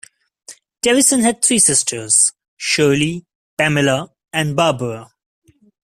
Davison had three sisters: Shirley, Pamela and Barbara.